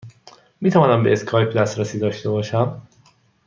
می توانم به اسکایپ دسترسی داشته باشم؟